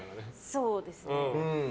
そうですね。